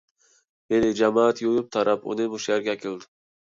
ھېلى جامائەت يۇيۇپ - تاراپ ئۇنى مۇشۇ يەرگە ئەكىلىدۇ.